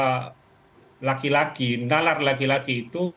dan menyadari bahwa laki laki nalar laki laki itu